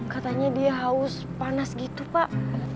katanya dia haus panas gitu pak